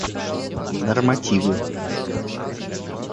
Нормативы